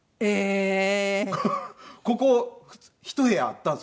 ここひと部屋あったんですよ